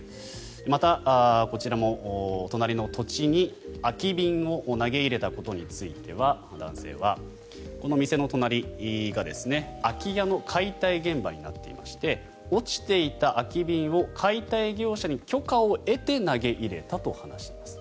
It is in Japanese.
また、こちらも隣の土地に空き瓶を投げ入れたことについては男性はこの店の隣が空き家の解体現場になっていまして落ちていた空き瓶を解体業者に許可を得て投げ入れたと話しています。